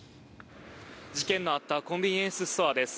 事件のあったコンビニエンスストアです。